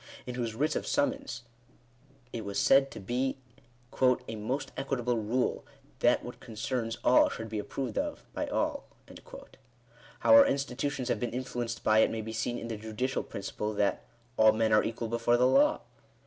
in whose writs of summons it was said to be " a most equitable rule, that what concerns all should be approved of by all." How our institutions have been influenced by it may be seen in the judicial principle that " all men are equal before the law."